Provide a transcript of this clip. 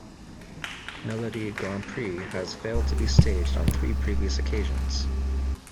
Melodi Grand Prix has failed to be staged on three previous occasions.